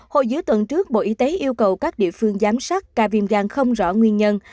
hồi giữa tuần trước bộ y tế yêu cầu các địa phương giám sát ca viêm gan không rõ nguyên nhân